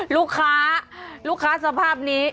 ลูกค้าลูกค้าสภาพนี้